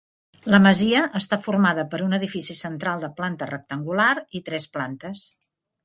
La masia està formada per un edifici central de planta rectangular i tres plantes.